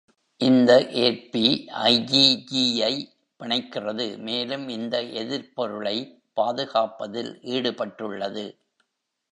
இந்த ஏற்பி IgG ஐ பிணைக்கிறது மேலும் இந்த எதிர்ப்பொருளை பாதுகாப்பதில் ஈடுபட்டுள்ளது.